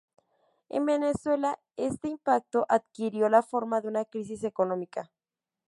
En Venezuela, este impacto adquirió la forma de una crisis económica.